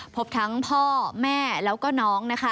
พบทั้งพ่อแม่แล้วก็น้องนะคะ